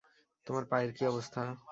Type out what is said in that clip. তোমার পায়ের কী অবস্থা?